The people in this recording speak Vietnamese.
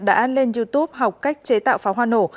đã lên youtube học cách chế tạo pháo hoa nổ